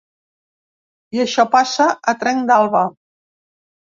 I això passa a trenc d’alba.